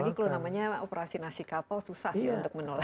ini kalau namanya operasi nasi kapau susah ya untuk menolak